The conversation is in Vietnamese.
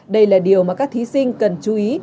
đây là điều mà các thí sinh cần chú ý